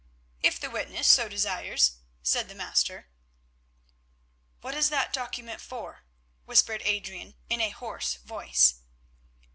"If the witness so desires," said the Master. "What is that document for?" whispered Adrian in a hoarse voice.